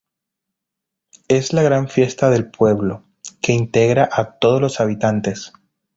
Es la gran fiesta del pueblo, que integra a todos los habitantes.